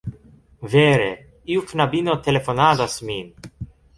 Vere, iu knabino telefonadas min